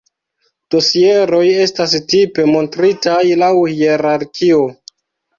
Dosieroj estas tipe montritaj laŭ hierarkio.